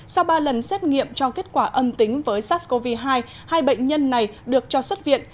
sau ba lần xét nghiệm cho kết quả âm tính với sars cov hai hai bệnh nhân này được cho xuất viện